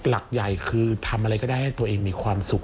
หลักใหญ่คือทำอะไรก็ได้ให้ตัวเองมีความสุข